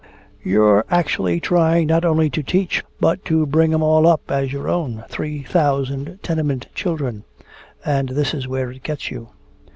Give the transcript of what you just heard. You're actually trying not only to teach but to bring 'em all up as your own, three thousand tenement children. And this is where it gets you."